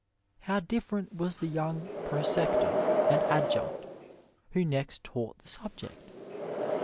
How different was the young prosector and adjunct who next taught the subject